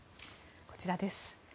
こちらです。